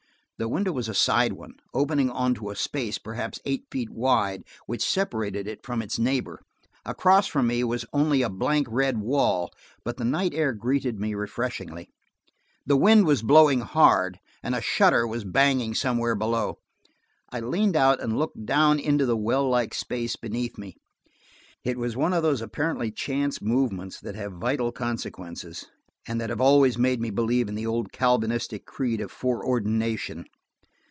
The window was a side one, opening on to a space perhaps eight feet wide, which separated it from its neighbor. Across from me was only a blank red wall, but the night air greeted me refreshingly. The wind was blowing hard, and a shutter was banging somewhere below. I leaned out and looked down into the well like space beneath me. It was one of those apparently chance movements that have vital consequences, and that have always made me believe in the old Calvinistic creed of foreordination.